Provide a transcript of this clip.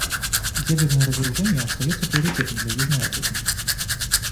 Ядерное разоружение остается приоритетом для Южной Африки.